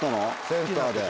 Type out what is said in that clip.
センターで。